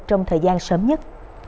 trong thời gian sớm nhất